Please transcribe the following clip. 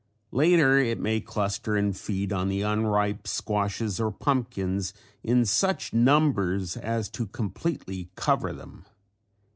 Later it may cluster and feed on the unripe squashes or pumpkins in such numbers as to completely cover them.